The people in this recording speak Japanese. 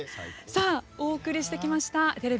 お送りしてきましたテレビ